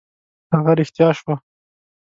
هغه رښتیا شوه.